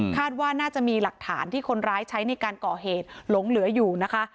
ว่าน่าจะมีหลักฐานที่คนร้ายใช้ในการก่อเหตุหลงเหลืออยู่นะคะ